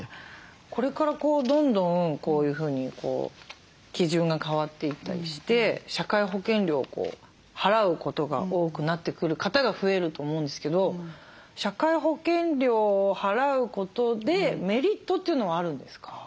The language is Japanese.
これからどんどんこういうふうに基準が変わっていったりして社会保険料を払うことが多くなってくる方が増えると思うんですけど社会保険料を払うことでメリットというのはあるんですか？